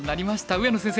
上野先生